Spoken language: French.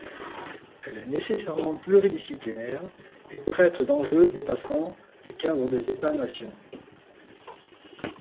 Elle est nécessairement pluridisciplinaire et traite d'enjeux dépassant les cadres des États-nations.